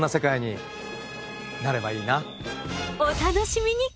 お楽しみに！